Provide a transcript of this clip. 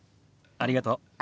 ありがとう。